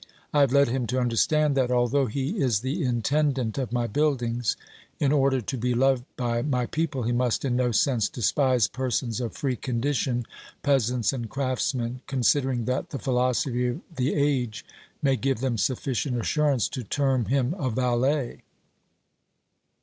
I have led him to understand that, although he is the intendant of my buildings, in order to be loved by my people he must in no sense despise persons of free condition, peasants and craftsmen, considering that the philosophy of the age may give them sufficient assur ance to term him a valet.